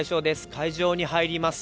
会場に入ります。